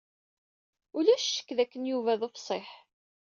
Ulac ccekk dakken Yuba d ufṣiḥ.